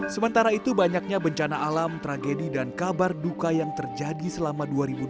sementara itu banyaknya bencana alam tragedi dan kabar duka yang terjadi selama dua ribu dua puluh